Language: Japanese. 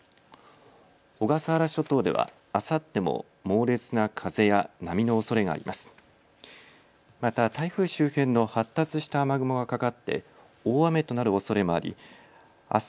小笠原諸島では、あさっても猛烈な風や波のおそれがあります。